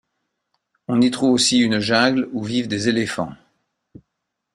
On y trouve aussi une jungle où vivent des éléphants.